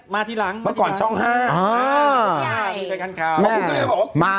มาทีหลังทีหลังตอนนี้นะครับวันยายจะพอเฮ้า